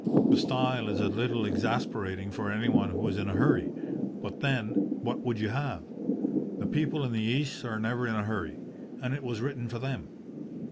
The style is a little exasperating for anyone who is in a hurry. But, then, what would you have? The people in the East are never in a hurry, and it was written for them.